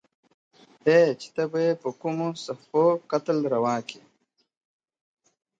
o چي ته به يې په کومو صحفو، قتل روا کي.